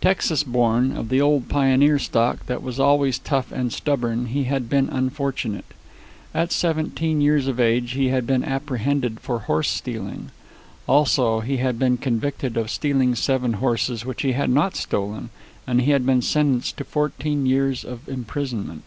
Texas born, of the old pioneer stock that was always tough and stubborn, he had been unfortunate. At seventeen years of age he had been apprehended for horse stealing. Also, he had been convicted of stealing seven horses which he had not stolen, and he had been sentenced to fourteen years' imprisonment.